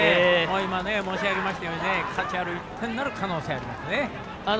今、申し上げましたように価値ある一打になる可能性がありますね。